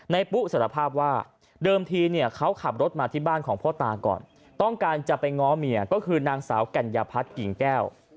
ปุ๊สารภาพว่าเดิมทีเนี่ยเขาขับรถมาที่บ้านของพ่อตาก่อนต้องการจะไปง้อเมียก็คือนางสาวกัญญาพัฒน์กิ่งแก้ว